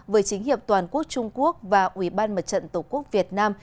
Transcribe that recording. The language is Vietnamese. với chính hiệp toàn quốc trung quốc và ủy ban mặt trận tổ quốc việt nam